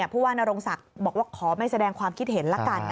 ผู้ว่านโรงศักดิ์บอกว่าขอไม่แสดงความคิดเห็นละกัน